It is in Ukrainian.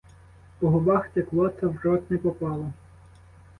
По губах текло, та в рот не попало.